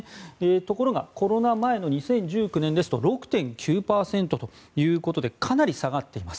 ところがコロナ前の２０１９年は６．９％ということでかなり下がっています。